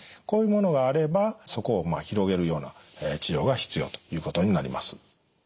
こういうものがあればそこを広げるような治療が必要ということになります。